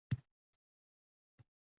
Uni davolatishni yoʻli yoʻqligini aytdi.